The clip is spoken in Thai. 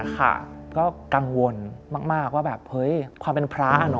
ก็กังวลมากว่าความเป็นพระ